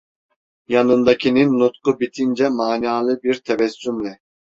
Yanındakinin nutku bitince manalı bir tebessümle: